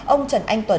ông trần anh tuấn